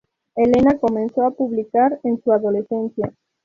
Elena comenzó a publicar en su adolescencia.